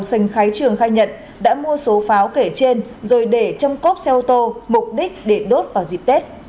sành khấy trường khai nhận đã mua số pháo kể trên rồi để trong cốp xe ô tô mục đích để đốt vào dịp tết